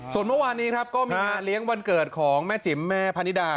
ส่วนเมื่อวานนี้ครับก็มีงานเลี้ยงวันเกิดของแม่จิ๋มแม่พนิดา